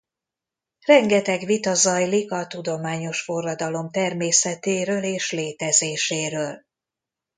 Rengeteg vita zajlik a tudományos forradalom természetéről és létezéséről.